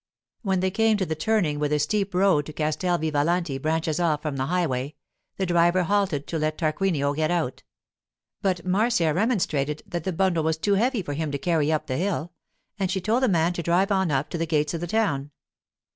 When they came to the turning where the steep road to Castel Vivalanti branches off from the highway, the driver halted to let Tarquinio get out. But Marcia remonstrated, that the bundle was too heavy for him to carry up the hill, and she told the man to drive on up to the gates of the town.